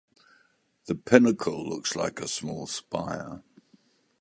The pinnacle looks like a small spire.